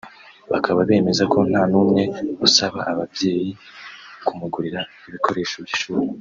bakaba bemeza ko nta n’umwe usaba ababyeyi kumugurira ibikoresho by’ishuri